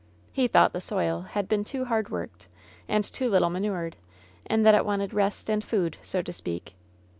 He thought the soil had been too hard worked, and too little manured, and that it wanted rest and food, so to speak.